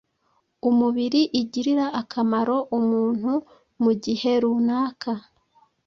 umubiri igirira akamaro umuntumugihe runaka,